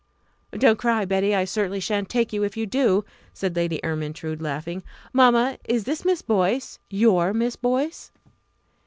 "Don't cry, Betty. I certainly shan't take you if you do!" said Lady Ermyntrude, laughing. "Mamma, is this Miss Boyce your Miss Boyce?"